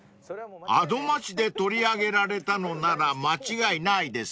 ［『アド街』で取り上げられたのなら間違いないですね］